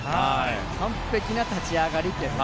完璧な立ち上がりと。